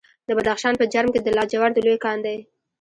د بدخشان په جرم کې د لاجوردو لوی کان دی.